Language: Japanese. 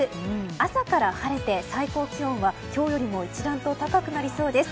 朝から晴れて最高気温は今日よりも一段と高くなりそうです。